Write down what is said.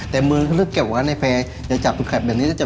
แต่มือก็ก็เก็บว่าในแพร่อย่าจับแข็บแบบนี้ไม่ได้